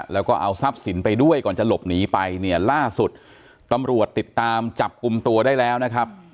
แล้วก็เอาทรัพย์สินไปด้วยก่อนจะหลบหนีไปเนี่ยล่าสุดตำรวจติดตามจับกลุ่มตัวได้แล้วนะครับ